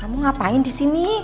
kamu ngapain di sini